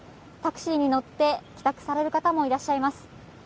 タクシーに乗って帰宅される方もいらっしゃいます。